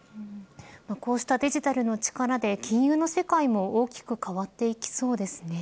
こうしたデジタルの力で金融の世界も大きく変わっていきそうですね。